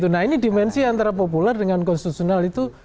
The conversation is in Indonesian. nah ini dimensi antara populer dengan konstitusional itu